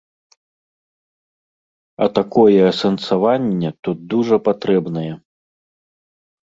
А такое асэнсаванне тут дужа патрэбнае.